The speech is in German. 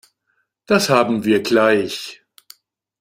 Das haben wir gleich.